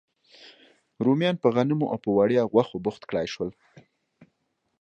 رومیان په غنمو او په وړیا غوښو بوخت کړای شول.